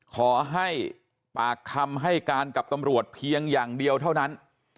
ขอให้ปากคำให้การกับตำรวจเพียงอย่างเดียวเท่านั้น